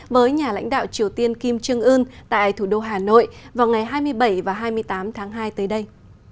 với nhà lãnh đạo triều tiên kim trương ưn tại thủ đô hà nội vào ngày hai mươi bảy và hai mươi tám tháng hai tới đây